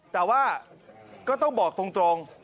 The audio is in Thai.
แต่ว่าก็ต้องบอกตรง